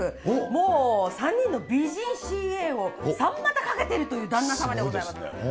もう３人の美人ＣＡを三股かけてるという旦那さまでございます。